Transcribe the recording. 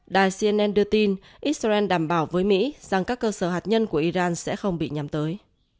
đài cnn đưa tin israel đảm bảo với mỹ rằng các cơ sở hạt nhân của iran sẽ không bị nhắm tới